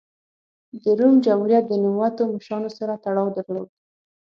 د روم جمهوریت د نوموتو مشرانو سره تړاو درلود.